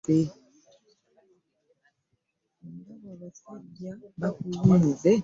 Nze ndaba abasajja bakuyinze!